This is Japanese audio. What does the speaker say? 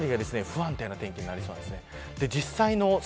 この辺りが不安定なお天気になります。